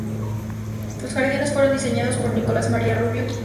Los jardines fueron diseñados por Nicolau Maria Rubió i Tudurí.